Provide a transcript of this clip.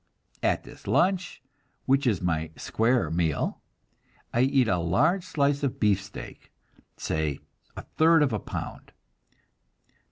At this lunch, which is my "square meal," I eat a large slice of beefsteak, say a third of a pound.